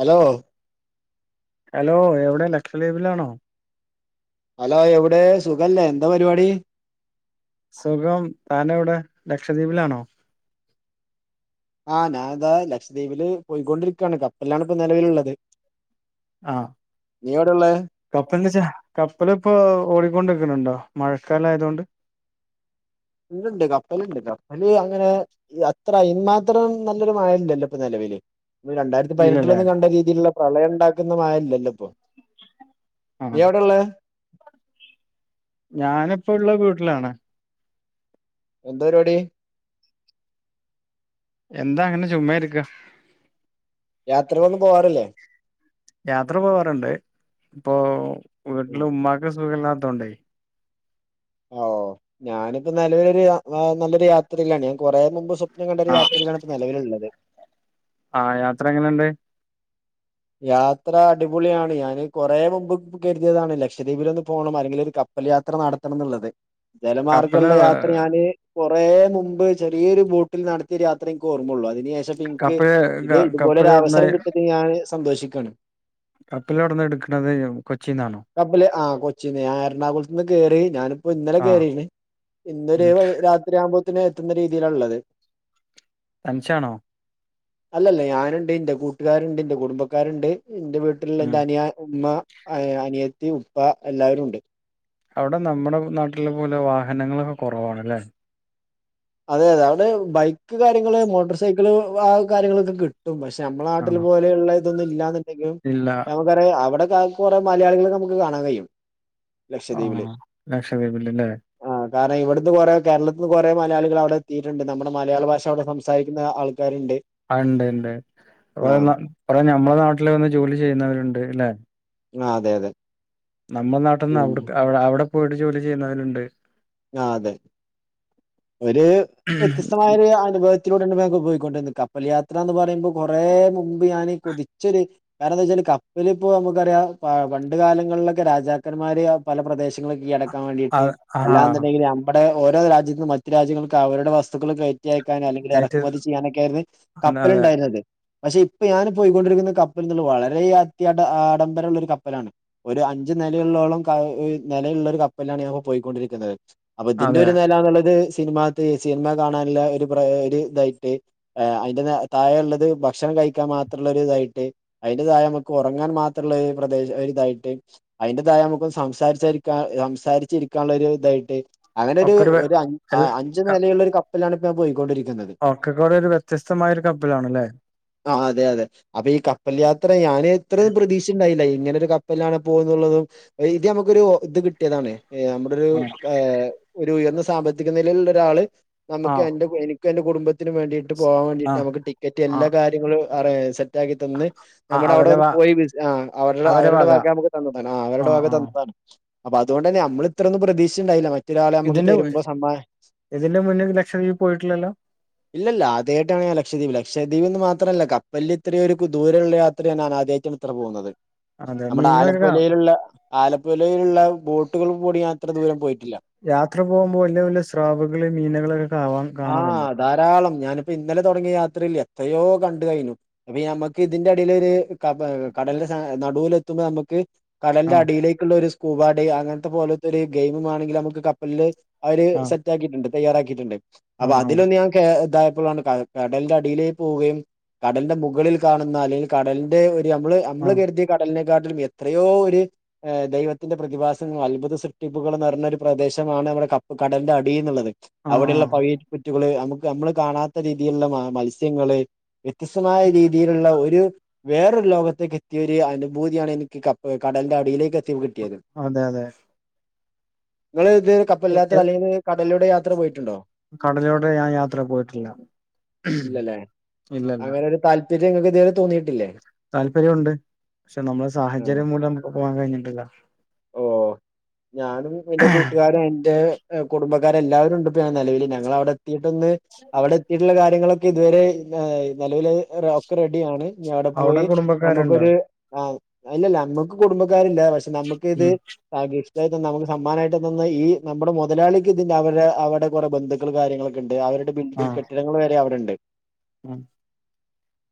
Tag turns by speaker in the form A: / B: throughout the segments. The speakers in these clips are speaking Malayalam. A: ഹലോ
B: ഹലോ എവിടെ ലക്ഷദ്വീപിലാണോ
A: ഹലോ എവിടെ സുഖല്ലേ എന്താ പരിപാടി
B: സുഖം താനെവിടെ ലക്ഷദ്വീപിലാണോ?
A: ആഹ് ഞാനിതാ ലക്ഷദ്വീപില് പോയിക്കൊണ്ടിരിക്കയാണ് കപ്പലിലാണ് ഇപ്പൊ നെലവിലുള്ളത് നീ എവിടെ ഉള്ളേ
B: കപ്പൽ ച്ചാ കപ്പല ഇപ്പൊ ഓടിക്കൊണ്ടിരിക്കണണ്ടോ മഴക്കാല ആയതുകൊണ്ട്
A: ണ്ട് ണ്ട് കപ്പലുണ്ട് കപ്പല് അങ്ങനെ അത്ര അയ്നുമാത്രം നല്ലൊരു മഴ ഇല്ലല്ലോ ഇപ്പ നെലവിൽ രണ്ടായി ഇ
B: ഇല്ലല്ലേ
A: പതിനെട്ടിലൊന്നും കണ്ട രീതിയിലുള്ള പ്രളയം ഉണ്ടാക്കുന്ന മഴയില്ലല്ലോ ഇപ്പൊ
B: ആ
A: നീ എവിടെള്ള
B: ഞാനിപ്പോ ഇള്ള വീട്ടിലാണ്
A: എന്ത പരിപാടി
B: എന്താ അങ്ങനെ ചുമ്മാരിക്ക
A: യാത്രയൊന്നും പോവാറില്ലേ
B: യാത്ര പോവാറുണ്ട് ഇപ്പൊ വീട്ടില്
A: ഉം.
B: ഉമ്മാക്ക് സുഖമില്ലാത്തോണ്ടേ
A: ഓ ഞാനിപ്പോ നിലവിലൊരു നല്ലൊരു യാത്രയിലാണ് കൊറേ മുമ്പ് സൊ കണ്ടൊരു
B: ആ
A: യാത്രയാണ് ഇപ്പോ നിലവിലുള്ളത്
B: ആഹ് യാത്ര എങ്ങനെണ്ട്
A: യാത്ര അടിപൊളിയാണ് ഞാന് കൊറേ മുമ്പ് കരുതിയതാണ് ലക്ഷദ്വീപിലൊന്ന് പോകണം അല്ലെങ്കിൽ ഒരു കപ്പൽ യാത്ര നടത്തണന്നുള്ളത്
B: കപ്പല്
A: ജലമാർഗ്ഗുള്ള യാത്ര ഞാന് കുറേ മുമ്പ് ചെറിയൊരു ബോട്ടിൽ നടത്തിയ യാത്രയെനിക്ക് ഓർമ്മയുള്ളൂ അതിനേശ് പക്ഷെ എനിക്ക്
B: കപ്പല്
A: ഇത്
B: ക-
A: ഇതുപോലെ
B: കപ്പല്
A: ഒരു
B: എവിടുന്ന
A: അവസരം കിട്ടിന്ന് ഞാന് സന്തോഷിക്കണ്
B: കപ്പിലെവിടുന്നാ എടുക്കണത്? കൊച്ചിന്നാണോ?
A: കപ്പല് ആഹ് കൊച്ചിന്ന് ഞാൻ എറണാകുളത്തു നിന്ന് കയറി ഞാനിപ്പോ ഇന്നലെ
B: ആ
A: കയറി
B: ഉം
A: ഇന്നൊരു രാത്രിയാവുമ്പോത്തേന് എത്തുന്ന രീതിയിലുള്ളത്
B: തനിച്ചാണോ
A: അല്ലല്ല ഞാനുണ്ട് എന്റെ കൂട്ടുകാരുണ്ട് എന്റെ കുടുംബക്കാരുണ്ട് എന്റെ വീ ത്തുള്ള
B: ഉം
A: തനിയാൻ ഉമ്മ അനിയത്തി ഉപ്പ എല്ലാവരുണ്ട്
B: അവിടെ നമ്മുടെ നാട്ടിലെ പോലെ വാഹനങ്ങളൊക്കെ കുറവാണല്ലേ?
A: അതെ അതെ അവിടെ ബൈക്ക് കാര്യങ്ങള് മോട്ടർ സൈക്കിള് ആഹ് കാര്യങ്ങളൊക്കെ കി പക്ഷെ നമ്മളെ നാട്ടിൽ
B: ആണോ
A: പോലെയുള്ള ഇതൊന്നും ഇല്ലാന്നുണ്ടെങ്കിലും
B: ഇല്ല.
A: നമ്മ അവിടെ കുറെ മലയാളികളെ നമുക്ക് കാണാൻ കഴിയും.
B: ആഹ് ലക്ഷദ്വീപില്ലല്ലേ?
A: ആഹ് കാരണം ഇവിടുത്തെ കുറേ കേരളത്തിൽ കുറേ മലയാളി അവിടെ എത്തിയിട്ടുണ്ട് നമ്മുടെ മലയാള ഭാഷ അവിടെ സംസാരിക്കുന്ന ആൾക്കാരുണ്ട്.
B: ആഹ് ഉണ്ട് ഉണ്ട്
A: ആ
B: കുറേ ഞമ്മളെ നാട്ടിൽ വന്ന് ജോലി ചെയ്യുന്നവരുണ്ടുല്ലേ?
A: ആഹ് അതെ അതെ-
B: നമ്മുടെ നാട്ടിന്ന്
A: പിന്നെ
B: അവി അവിടെ പോയിട്ട് ജോലി ചെയ്യുന്നവരുണ്ട്-
A: ആഹ് അതെ ഒരു വ്യത്യസ്തമായ ഒരു അനുഭവ ത്തിലൂടെ പോയിക്കൊണ്ടിരുന്നത് കപ്പൽ യാത്ര എന്ന് പറയുമ്പോൾ കുറേ മുമ്പ് ഞാന് കൊതിച്ചൊരു- കാരണം എന്താ വെച്ചാൽ കപ്പലിപ്പോ നമുക്കറിയാം പണ്ട് കാലങ്ങളിലൊക്കെ രാജാക്കന്മാര് പല പ്രദേശ കൈയ്യടക്കാൻ വേണ്ടിട്ട്
B: അത് ആഹാ
A: അല്ലാന്നുണ്ടെങ്കിൽ- ഇവിടെ ഓരോ രാജ്യത്തും മറ്റ് രാജ്യങ്ങൾക്ക് അവരുടെ വസ്തുക്കൾ കയറ്റി റ്റിയക്കാനും അല്ലെങ്കിൽ
B: കയറ്റി
A: ഇറക്കുമതി ചെയ്യാനൊക്കെയായിരുന്നു
B: അതെ അതെ
A: കപ്പലുണ്ടായിരുന്നത്. പക്ഷെ ഇപ്പൊ ഞാൻ പോയിക്കൊണ്ടിരിക്കുന്ന കപ്പലുണ്ടല്ലോ വളരെ അത്യാ ആഡംബരമുള്ളൊരു കപ്പലാണ് ഒരു അഞ്ച് നിലയിള്ളോളം നിലയുള്ള ഒരു കപ്പലിലാണ് ഞാനിപ്പോ പോയിക്കൊണ്ടിരിക്കുന്നത്. അപ്പൊ ഇതിന്റെ
B: അതെ
A: ഒരു നിലാന്നുള്ളത് സിനിമാ സിനിമ കാണാനുള്ള ഒരു പ്ര ഒരു ഇതായിട്ട്- ആഹ് അതിന്റെ താഴെയുള്ളത് ഭക്ഷണം കഴിക്കാൻ മാത്രുള്ള ഒരിതായിട്ട്- അതിന്റെ താഴെ നമുക്ക് ഉറങ്ങാൻ മാത്രുള്ള ഒരു പ്രദേശം ഒരുതായിട്ട് അതിന്റെതാഴെ നമുക്ക് സംസാരിച്ചിരിക്കാൻ സംസാരിച്ചിരിക്കാനുള്ള ഒരു ഇതായിട്ട് അങ്ങനെ
B: ഒക്കൊരു വെ
A: ഒരു
B: എൽ
A: അഞ്ചു നിലയുള്ള ഒരു കപ്പലിലാണ് ഇപ്പ ഞാൻ പോയിക്കൊണ്ടിരിക്കുന്നത്.
B: ഒക്കെക്കൂടെയുള്ളൊരു വ്യത്യസ്തമായ ഒരു കപ്പലാണല്ലേ?
A: ആഹ് അതെ അതെ അപ്പൊ ഈ കപ്പൽ യാത്ര ഞാൻ ഇത്ര പ്രതീക്ഷിച്ചുണ്ടായില്ല ഇങ്ങനെ ഒരു- കപ്പല്ലാണ് പോന്നുള്ളതും ഇത് നമുക്കൊരു ഇത് കിട്ടിയതാണ് നമ്മുടൊരു- ആഹ് ഒരു ഉയർന്ന സാമ്പത്തിക നിലയിലുള്ള ഒരാള് നമുക്ക്
B: ആഹ്
A: എന്റെ എനിക്കും എന്റെ കുടുംബത്തിനും വേണ്ടിട്ട്- പോവാൻ വേണ്ടിട്ട്
B: ആഹ്
A: നമുക്ക് ടിക്കറ്റ് എല്ലാ
B: ആഹ്
A: കാര്യങ്ങളും സെറ്റാക്കി തന്ന്-
B: ആഹ്
A: നമ്മടെ അവിടെ
B: അവരെ വ
A: പോയി വിളിച്ചതാ അവരുടെ അവരുടെ വക നമുക്ക് തന്നതാണ് അവരുടെ
B: ആഹ്
A: വക
B: ആഹ്
A: തന്നതാണ്- അപ്പൊ അതോണ്ട് തന്നെ നമ്മൾ ഇത്രയൊന്നും പ്രതീക്ഷിച്ചുണ്ടായില്ല മ
B: ഇതിന്റെ മു ഇതിന്റെ മുന്ന് ലക്ഷദ്വീപ് പോയിട്ടില്ലല്ലോ?
A: ഇല്ല ഇല്ല ആദ്യമായിട്ടാണ് ഞാൻ ലക്ഷദ്വീപ് ലക്ഷദ്വീപ്ന്ന് മാത്രമല്ല കപ്പലിൽ ഇത്രയൊ ഒരു ദൂരമുള്ള യാത്രയ്യ ഞാൻ ആദ്യമായിട്ടാണ് ഇത്ര പോകുന്നത്
B: അതെ
A: നമ്മുടെ
B: മീനുകളൊക്കെ കാ
A: ആലപ്പുലയിലുള്ള ആലപ്പുലയിലുള്ള ബോട്ടുകൾ കൂടിഞാൻ ഇത്ര ദൂരം പോയിട്ടില്ല-
B: യാത്ര പോകുമ്പോൾ വല്യ വല്യ സ്രാവുകള് മീനുകള്
A: ആഹ് ധാരാളം ഞാനിപ്പോ ഇന്നലെ തുടങ്ങിയ യാത്രയില് എത്രയോ കണ്ടു കഴിഞ്ഞു. അപ്പൊ നമുക്ക് ഇതിന്റെടിലൊര് കടല്ന്റെ നടുവൽ എത്തുമ്പോ നമുക്ക്- കടലിന്റെ
B: ആഹ്
A: അടിയിലേക്കുള്ള ഒരു സ്കൂബാഡൈ അങ്ങനത്തെ പോലത്തെ ഒരു ഗെയിമ് വാ ണെങ്കിൽ നമുക്ക് കപ്പല്ല്- അവര്
B: ആഹ്
A: സെറ്റാക്കിയിട്ടുണ്ട് തയ്യാറാക്കിയിട്ടുണ്ട് അപ്പൊ
B: ആഹ് ആഹ്
A: അതിലൊന്ന് ഞാൻ ഇതായപ്പളാണ്- കടലിന്റെ അടിയിലേ പോവുകയും കടലിന്റെ മുകളിൽ കാണുന്ന അല്ലെങ്കിൽ കടലിന്റെ ഒരു നമ്മള്- നമ്മള്
B: ആഹ്
A: കരുതിയ കടലിനെക്കാട്ടിലും എത്രയോ ഒരു ദൈവത്തിന്റെ പ്രതിഭാസങ്ങള അത്ഭുത സൃഷ്ടിപ്പുകളും നിറഞ്ഞൊ ഒരു പ്രദേശമാണ് നമ്മടെ കപ് കടലന്റെ അടി എന്നുള്ളത്- അവിടെയുള്ള
B: ആഹ്
A: പവിഴപ്പുറ്റുകള് നമുക്ക് നമ്മള് കാണാത്ത രീതിയിലുള്ള മത്സ്യങ്ങള്- വ്യത്യസ്തമായ രീതിയിലുള്ള ഒരു- വേറൊരു ലോകത്തേക്ക് എത്തിയൊരു അനുഭൂതിയാണ് എനിക്ക് കടൽന്റെ അടിയിലേക്ക് എ
B: ആഹ് അതെ അതെ
A: നിങ്ങള് ഇത്
B: എ-
A: പ്പല്ലാത്ത അല്ലെല് കടിലൂടെ യാത്ര പോയിട്ടുണ്ടോ?
B: കടലൂടെ ഞാൻ യാത്ര പോയിട്ടില്ല.
A: ഇല്ലല്ലേ
B: ഇല്ലല്ല
A: അങ്ങനെ ഒരു താല്പര്യം ഇ ങ്ങക്ക് ഇതുവരെ തോന്നിയിട്ടില്ലേ?
B: താല്പര്യവുണ്ട് പക്ഷെ നമ്മളെ
A: ആ
B: സാഹചര്യം മൂലം നമുക്ക് പോകാൻ കഴിഞ്ഞിട്ടില്ല
A: ഓ ഞാനും എന്റെ കൂട്ടുകാരും എന്റെ കുടുംബ ക്കാരെല്ലാവരുണ്ട് പ്പെ നെലവില് ഞങ്ങളവ്ടെ എത്തിയിട്ടൊന്ന് അവിടെ എത്തിയിട്ടുള്ള കാര്യങ്ങളൊക്കെ ഇതുവരെ ന്നേയ് നിലാവിലഹ് റൊ ഒക്കെ റെഡിയാണ് ഇഞവടെ
B: അവിടെ
A: പോയി
B: കുടുംബക്കാരുണ്ടോ
A: നമുക്കൊരു ആന്ന് ഇല്ലല്ല അമ്മക്ക് കുടുംബക്കാരി ല്ല പക്ഷെ നമ്മുക്ക് ഇത്
B: ഉം
A: ആഹ് ഗിഫ്റ്റായിറ്റ് തന്ന നമുക്ക് സമ്മാനായിട്ട് തന്ന ഈ നമ്മടെ മുതലാളിക്കിതിന്റെ അവരെ അവടെ കുറെ ബന്ധുക്കള് കാര്യങ്ങളൊ ക്കെണ്ട് അവരുടെ ബിൽഡിങ്
B: ആഹ്
A: കെട്ടിടങ്ങള് വരെ അവിടുണ്ട്
B: ഉം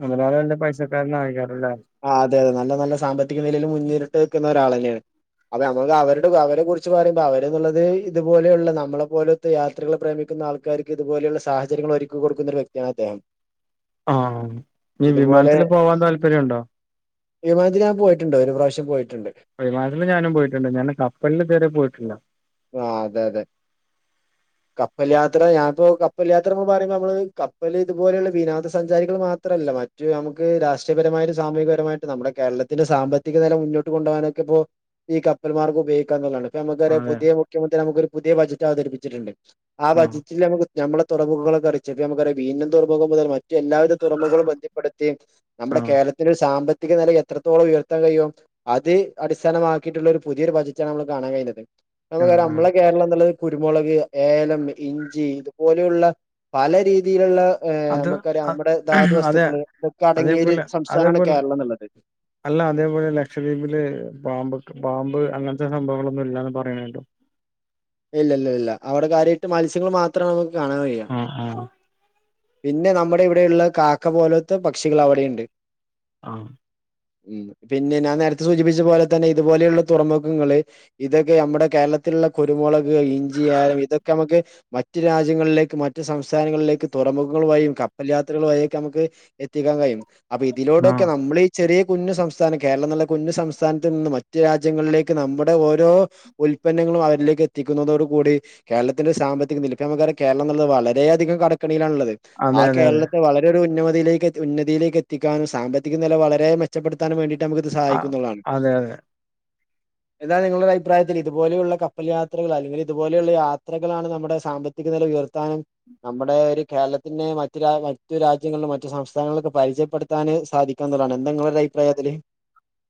B: മൊതലാളി നല്ല പൈസക്കാരനാണേക്കാരം ല്ലേ
A: ആഹ് അതെ അതെ നല്ല നല്ല സാമ്പത്തിക നിലയില് മുന്നേരിട്ട് വെക്കുന്ന ഒരാളന്നേണ് അത അമ്മക്ക് അവരുടെ അവരെ കുറിച്ച് പറയുമ്പോ അവരെന്നുള്ളത് ഇത്പോലെയുള്ള നമ്മളെ പോലോ ത്ത് യാത്രകളെ പ്രേമിക്കുന്ന ആൾകാർക്ക് ഇതുപോലുള്ള സാഹചര്യങ്ങൾ ഒരുക്കി കൊടുക്കുന്ന ഒരു വ്യക്തിയാണ് അദ്ദേഹം
B: ആഹ് നി
A: ഇതുപോലെ
B: വിമാനത്തില് പോവാൻ താല്പര്യണ്ടോ
A: വിമാനത്തില് ഞാൻ പോയിട്ട്ണ്ട് ഒരു പ്രാവശ്യം പോയിട്ട്ണ്ട്
B: വിമാനത്തില് ഞാനും പോയിട്ട്ണ്ട് ഞാന് കപ്പൽല് ഇതുവരെ പോയിട്ടില്ല
A: ആഹ് അതെ അതെ
B: [inaudible]
A: കപ്പൽ യാത്ര ഞാൻപ്പോ കപ്പൽയാത്രപ്പൊ പറീമ്പമ്മള് കപ്പല് ഇതുപോലെയുള്ള വിനോദസഞ്ചാരികൾ മാത്രല്ല മ റ്റു നമുക്ക് രാഷ്ട്രീയപരമായിര് സാമൂഹികപരമായിട്ട് നമ്മുടെ കേരളത്തിന്റെ സാമ്പത്തിക നെല മുന്നോട്ട് കൊണ്ടോവാനൊക്കെ ഇപ്പോ ഈ കപ്പൽമാർഗം ഉപയോഗിക്കാന്ന്ള്ളാണ് പ്പൊ നമുക്ക് അറിയ
B: അതെ
A: പുതിയ മുഖ്യമന്ത്രി നമുക്ക് ഒരു പുതിയ ബജറ്റ് അവതരിപ്പിച്ചിട്ടുണ്ട് ആ
B: ആഹ്
A: ബജറ്റിൽ നമുക്ക് നമ്മളെ തുറമുകളക്കെ അറിച്ച് പ്പൊ നമുക്കറ വീനം തുറമുഖം മുതൽ മറ്റു എല്ലാവിധ തുറമുഖവും ബന്ധി പ്പെടുത്തി നമ്മുടെ
B: ആഹ്
A: കേരളത്തിലെ ഒരു സാമ്പത്തിക നില എത്രത്തോളം ഉയർത്താൻ കഴിയും അത് അടിസ്ഥാനമാക്കിയിട്ട്ള്ള ഒരു പുതിയൊരു ബജറ്റാണ് നമ്മള് കാണാൻ കഴിഞ്ഞത് ഇതുവരെ
B: ആഹ് ആഹ്
A: അമ്മളെ കേരളംന്ന്ള്ളത് കുരുമുളക്, ഏലം, ഇഞ്ചി ഇതുപോലുള്ള പല രീതിയിലുള്ള എഹ്
B: അത്
A: നമുക്കറിയാം
B: അ-
A: നമ്മുടെ ധാതു
B: അതെ
A: വസ്തുക്കള് ഇതൊക്കെ അടങ്ങിയൊരു
B: അതേപോലെ
A: സംസ്
B: അതേപോലെ അല്ല അതേപോലെ ലക്ഷദ്വീപില് ബാമ്പ്ക് ബാമ്പ് അങ്ങൻത്തെ സംഭവങ്ങളൊന്നും ഇല്ലാന്ന് പറയണ കേട്ടു
A: ഇല്ല ഇല്ല ഇല്ല അവിടെ കാര്യായിട്ട് മത്സ്യങ്ങള് മാത്രേ നമുക്ക് കാണാൻ കഴിയ
B: ആഹ് ആഹ്
A: പിന്നെ നമ്മുടെ ഇവിടെയുള്ള കാക്ക പോലത്തെ പക്ഷികൾ അവിടെയിണ്ട്
B: ആഹ്
A: ഉം പിന്നെ ഞാൻ നേരത്തെ സൂചിപ്പിച്ച പോലെ തന്നെ ഇതുപോലെയുള്ള തുറമുഖങ്ങള് ഇതൊക്കെ നമ്മുടെ കേരള ത്തില്ള്ള കുരുമുളക്, ഇഞ്ചി, ഏലം ഇതൊക്കെഅമ്മക്ക് മറ്റ് രാജ്യങ്ങളിലേക്ക് മറ്റു സംസ്ഥാനങ്ങളിലേക്ക് തുറമുഖങ്ങൾ വഴിയും കപ്പൽ യാത്രകൾ വഴിക്കെ അമ്മക്ക് എത്തിക്കാൻ കഴിയും. അപ്പൊ
B: ആഹ്
A: ഇതിലൂടൊക്കെ നമ്മളീ ചെറിയ കുഞ്ഞു സംസ്ഥാനം കേരളം ന്ന്ള്ള കുഞ്ഞു സംസ്ഥാനത്ത് നിന്ന് മറ്റു രാജ്യങ്ങളിലേക്ക് നമ്മുടെ ഓരോ ഉൽപന്നങ്ങളും അവരിലേക്ക് എത്തിക്കുന്നതോടു കൂടി കേരളത്തിന്റെ സാമ്പത്തിക നില പ്യ ഞമ്മക്കർയ കേരളം ന്നുള്ളത് വളരെയധികം കടക്കണിയിലാണുള്ളത്
B: അതെ
A: ആ
B: അതെ അതെ
A: കേരളത്തെ വള ലൊടു ഉന്നമതയിലേക്ക് എത്തി ഉന്നതിയിലേക്ക് എത്തിക്കാനും സാമ്പത്തിക നില വളരെ മെ ച്ചപ്പെടുത്താനും വേണ്ടിട്ട് നമുക്ക്‌ഇത്
B: ആഹ്
A: സഹായിക്കുന്ന്ള്ളാണ്
B: അതെ അതെ [inaudible]
A: എന്താണ് നിങ്ങളുടെ ഒരയിപ്രായത്തില് ഇതുപോലെയുള്ള കപ്പൽ യാത്രകൾ അല്ലെങ്കിൽ ഇതുപോലെയുള്ള യാത്രകളാണ് നമ്മുടെ സാമ്പ ത്തിക നില ഉയർത്താനും നമ്മുടെ കേരളത്തിനെ മറ്റ് രാ മറ്റു രാജ്യങ്ങൾളും മറ്റു സംസ്ഥാനങ്ങളിലൊക്കെ പരിചയപ്പെടുത്താന് സാധി ക്കുന്നതാണ് എന്താണ് ങ്ങളെ ഒരു അയിപ്രായതില്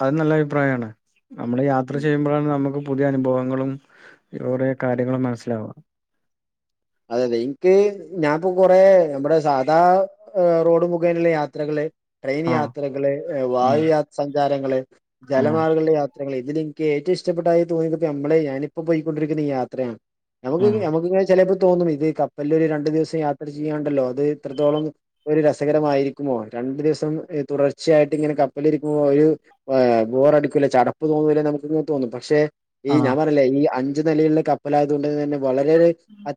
B: അത് നല്ല അഭിപ്രായമാണ് നമ്മള് യാത്ര ചെയ്യുമ്പളാണ് നമുക്ക് പുതിയ അനുഭവങ്ങളും ഇ കുറെ കാര്യങ്ങളും മനസ്സിലാവാ
A: അതെ അതെ ഇൻക്ക് ഞാൻപ്പൊ കൊറേ നമ്മ്ടെ സാധാ റോഡ് മുഘേനെള്ള യാത്രകള് ട്രെയിൻ
B: ആഹ്
A: യാത്രകള്, വായു യ സഞ്ചാരങ്ങള്,
B: ആഹ്
A: ജലമാർഗ്ഗള്ള യാ ത്രകള് ഇതില് ഇൻക്ക് ഏറ്റവും ഇഷ്ടപ്പെട്ടായി തോന്നിയത്പ്പോ നമ്മള് ഞാനിപ്പൊ പോയിക്കൊണ്ടിരിക്കുന്ന ഈ യാത്രയാണ് മുക്ക്
B: ആഹ്
A: നമുക്ക് ഇങ്ങെ ചിലപ്പോ തോന്നും ഇത് കപ്പലിൽ ഒരു രണ്ടു ദിവസം യാത്ര ചെയ്യാണ്ടല്ലോ അത് എത്രത്തോളം ഒരു രസകരമായിരിക്കുമോ രണ്ടു ദിവസം തുടർച്ചയായിട്ട് ഇങ്ങനെ കപ്പലിരിക്കുമോ ഒരു ബോർ അടുക്കൂലേ ചടപ്പ് തോന്നൂലേ നമുക്ക്ങ്ങനെ തോന്നും പക്ഷെ ഈ ഞാൻ
B: ആഹ്
A: പറയല്ലേ ഈ അഞ്ചു നിലികില് കപ്പലായതുക കൊണ്ട് തന്നെ വളരെ ഒരു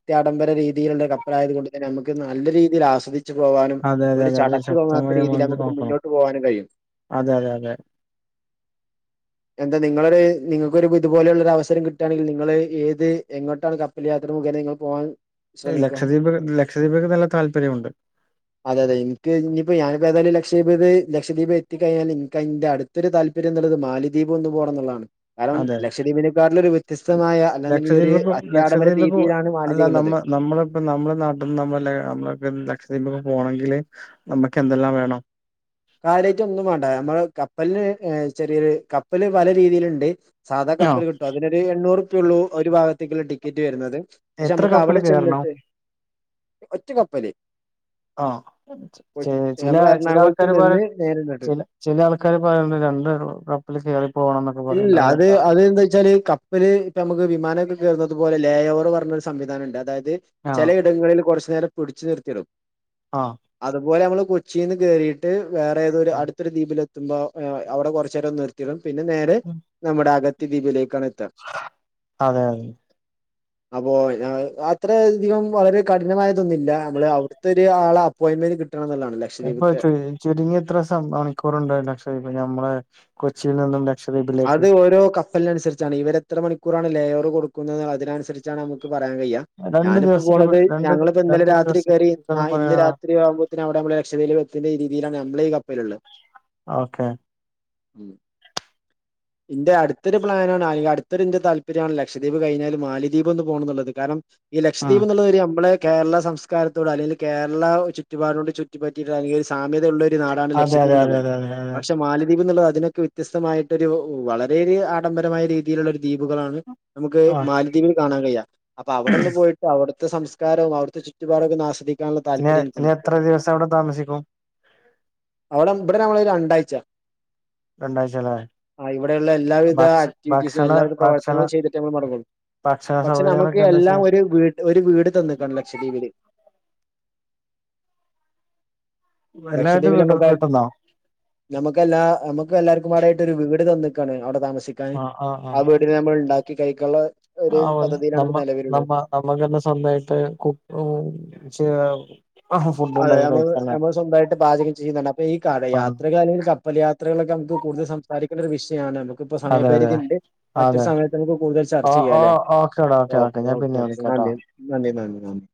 A: പ്രത്യാഡംബര രീതിയിലുള്ള കപ്പലായ കൊണ്ട് തന്നെ നമുക്ക് നല്ല രീതിൽ ആസ്വദ വച്ച് പോകാനും
B: അതെ അതെ
A: ഒരു
B: അതെ അത്
A: ചടപ്പ് തോന്നാത്ത
B: ശക്തമായി
A: രീതിയിൽ
B: നമ്മൾ
A: നമുക്കിത്
B: നോക്കണം
A: മുന്നോട്ട് പോകാനും കഴിയും
B: അതെ അതെ അതെ
A: എന്താ നിങ്ങളൊരു നിങ്ങൾക്കൊരു ഇതുപോലെയുള്ള ഒരു അവസരം കിട്ടുകയാണെങ്കിൽ നിങ്ങള് ഏത് എങ്ങോട്ടാണ് വല്ല യാത്ര മുഖേനെ നിങ്ങൾ പോവാൻ
B: ലക്ഷദ്വീപ് ലക്ഷദ്വീപ്ക്ക് നല്ല താല്പര്യമുണ്ട്
A: അതെ അതെ എനിക്ക് ഇനിയിപ്പോ ഞാനപ്പോ ഏായാലും ലക്ഷീപ ലക്ഷവീപ് എത്തിക്കഴിഞ്ഞാൽ എനിക്ക അതിന്റെ അടുത്ത് തൊരു താല്പര്യം എന്നുള്ളത് മാലിദ്വീപ് എന്ന് പോണം എന്നുള്ളാണ് കാരണം
B: അതെ
A: ലക്ഷദ്വീപിനെക്കാരിൽ ഒരു വ്യത്യസ്തമായ അല്ലിൽ ഒരു
B: ലക്ഷദ്വീപ്ക്കും
A: അത്യാടംബര
B: ലക്ഷദ്വീപ്ക്കും
A: രീതിയിലാണ് മാലിയ
B: അല്ല നമ്മ നമ്മളിപ്പ നമ്മളെ നാട്ടിൽന്ന് നമ്മ നമ്മള ലക്ഷദ്വീപൊക്കെ പോണെങ്കില് നമക്ക് എന്തെല്ലാം വേണം
A: കരുയാട്ട് ഒന്നും വേണ്ട നമ്മള് കപ്പലിന് ചെറിയൊരു കപ്പല് പല രീതിയിലുണ്ട് സാധാ
B: ആഹ്
A: കപ്പല് കിട്ടും അതിനൊരു എണ്ണൂറ്പ്യയ ഉള്ളൂ ഒരു ഭാഗത്തേക്കുള്ള ടിക്കറ്റ് വരുന്നത് പക്ഷെ
B: എത്ര
A: നമുക്ക്
B: കപ്പല്
A: അവിടെ
B: കേറണോ
A: ചെന്നിട്ട് ഒറ്റ കപ്പല്
B: ആഹ്.
A: കൊ-
B: ചില
A: നമ്മളെ
B: ചില [inaudible]
A: എറണാകുളത്ത് നിന്ന് നേരെ ഇങ്ങോട്ട്
B: ചില ചില ആൾക്കാര് പറയണ്ട് രണ്ട് കപ്പിൽ കേറി പോകണം എന്നൊക്കെ പറയണ്ട
A: ഇല്ല അത് അന്താ വെച്ചാല് കപ്പൽ നമുക്ക് വിമാനമൊക്കെ കേയറുന്നത്തു പോലെ ലേ ഓവർ പറഞ്ഞ ഒരു സംവിധാനംണ്ട് അതായത്
B: ആഹ്
A: ചിലയിടങ്ങളിൽ കുറച്ചു നേരം പിടിച്ചു നിർത്തിടും
B: ആഹ്
A: അതുപോലെ നമ്മള് കൊച്ചിയിന്ന് കേറിയിട്ട് വേറെ ഏതരു അടുത്തരു ദ്വീപില എത്ത്പോൾ അവിടെ കുറച്ചു നേരം ഒന്ന നിർത്തിയിടും പിന്നെ നേരെ നമ്മുടെ അഗത് ദ്വീപിലേക്കാണ് എത്ത
B: അതെ അതെ
A: അപ്പോ അത്രയധികം വളരെ കഠിനമായതൊന്നുല്ല നമ്മള് അവിടുത്തെ ഒരു ആള അപ്പോയിന്മെന്റ് കിട്ടണം എന്നതല്ലേ
B: ഇപ്പൊ ചുരുങ്ങിയ എത്ര മണിക്കൂറ ഉണ്ടായില്ല അക്ഷ ഇപ്പൊ മ്മെ കൊച്ചിയിൽ നിന്ന
A: അത് ഓരോ ക കല്ലിനനുസരിച്ചാണ് ഇവർരെത്ര മണിക്കൂറാണ് ലെയറ് കൊടുക്കുന്നത് അതിനനുസരിച്ചാണ് നമുക്ക് പറയാൻ കഴിയാം
B: രണ്ട്
A: ഞാനിപ്പോ
B: ദിവസൊക്കെ
A: പോണത്
B: രണ്ട്
A: ഞങ്ങളിപ്പോ ഇന്നലെ
B: രണ്ട്
A: രാത്രി
B: ദിവസൊക്കെ
A: കയറി
B: പിടിക്കുംന്ന് പറയാ
A: ഇന്ന് രാത്രി ആകുമ്പോ വിടെ നമ്മ രക്ഷൽ എത്തുന്ന രീതിയിലാണ് നമ്മളീ കപ്പലത്
B: ഓക്കെ
A: ഉം ഇന്റെ അടുത്തൊരു പ്ലാനാണ്ണ് അങ്ക അടുത്തൊരുന്റെ താല്പര്യമാണ് ലക്ഷദ്വീപ് കഴിഞ്ഞല് മാലിദ്വപ് ഒന്ന് പോണംന്നുള്ളത് കാരണം ഈ
B: ഉം
A: ലക്ഷദ്വീപ് എന്നുള്ളത് നമ്മളെ കേരള സംസ്കാരത്തോട് അല്ലെങ്കിൽ കേരള ചുറ്റ് പാടോട് ചുറ്റി പറ്റിട്ട് അല്ലെങ്കിൽ ഒരു സാമ്യതയുള്ള ഒരു നാടാണ്
B: അതെ അതെ
A: ലക്ഷദ്വീപ്
B: അതെ
A: എന്നുള്ളത്
B: അതെ അതെ അതെ
A: പക്ഷെ മാലിദ്വീപ് എന്നുള്ളത് അതിനൊക്കെ വ്യത്യസ്തമായിട്ട് ഒരു വളരെയ ഒരു ആഡംബരമായ രീതിയിലുള്ള ഒരു ദ്വീപുകളാണ് നമുക്ക്
B: ആഹ്
A: മാലദ്വീപിൽ കാണാൻ കഴിയാ അപ്പൊ അവിടെന്ന് പോയിട്ട് അവിടുത്തെ സംസ്കാരവും അവിടുതെ ചുറ്റുപാടൊക്കെന്ന് ആസ്വാദിക്കും
B: ഇ ഇനി എത്ര ദിവസം അവിടെ താമസിക്കും
A: അവിടെ ഇവിടെ നമ്മള രണ്ടാഴ്ച
B: രണ്ടാഴ്ചല്ലേ
A: ആഹ് ഇവിടെുള്ള എല്ലാവിധ
B: ഭക്ഷ
A: ആക്ടിവിറ്റീസും
B: ഭക്ഷണ
A: എല്ലാവിധ
B: ഭക്ഷണ
A: പ്രവർത്തനങ്ങളും ചെയ്തിട്ട് നമ്മൾ മടങ്ങുള്ളൂ
B: ഭക്ഷണ
A: പക്ഷെ നമുക്ക്
B: സൗകര്യങ്ങളൊക്കെ എന്താ
A: എല്ലാം
B: ചെയ്യാ
A: ഒരു വീട് ഒരു വീട് തന്നക്കണം ലക്ഷദ്വീപില്
B: എല്ലാവരും
A: ലക്ഷദ്വീപിലെ
B: വീട്ട വീട്ടന്നോ
A: നമ്മുക്ക് മുക്ക് എല്ലാ നമ്മു എല്ലർക്കും ആടായിട്ട് ഒരു വീട് തന്നിക്കാണ് അവിടെ താമസിക്ക ആഹ് വീടിനെ നമ്മൾ ഉണ്ടാക്കി കഴിക്കുള്ള ഒരു പദ്ധതിയിലാണ് ഇ നിലവിലുള്ളത്
B: നമുക്ക്ന്നെ സ്വന്തമായിട്ട് കുക്കും ചെയ്യാം
A: അതെ നമ്മള് നമ്മൾ സ്വന്തമായിട്ട് പാചകം ചെയ്യുന്നുണ്ട് അപ്പൊ ഈ യാത്രകാലയിൽ പല യാത്രകളൊക്കെ നമുക്ക് കൂടുതൽ സംസാരിക്കണ്ട ഒരു വിഷയമാണ് നു ഇപ്പ
B: അതെ അതെ
A: സമയപരിധി ഉണ്ട് മറ്റൊരു
B: അതെ
A: സമയത്ത് നമുക്ക് കൂടുതൽ
B: ഓ
A: ചർച്ച
B: ഓ
A: ചെയ്യാംല്ലേ
B: ഓക്കേടാ ഓക്കെ
A: ഓ
B: ഞാൻ
A: ഓക്കെ
B: പിന്നെ
A: ഓക്കെ
B: വിളിക്കാട്ടോ
A: നന്ദി നന്ദി നന്ദി നന്ദി